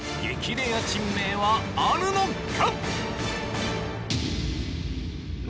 レア珍名はあるのか？